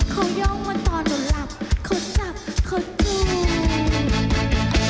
เขาย้องว่าตอนหนูหลับเขาจับเขาจูบ